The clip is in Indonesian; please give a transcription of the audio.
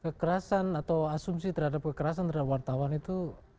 kekerasan atau asumsi terhadap kekerasan terhadap wartawan itu